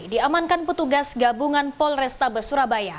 diamankan petugas gabungan polresta besurabaya